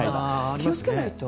気を付けないと。